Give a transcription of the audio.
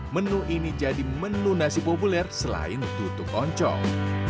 menu ini jadi menu nasi populer selain tutup oncong